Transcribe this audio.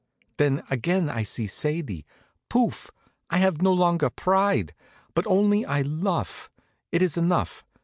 Then again I see Sadie. Pouff! I have no longer pride; but only I luff. It is enough.